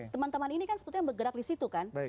teman teman ini kan sebetulnya bergerak di situ kan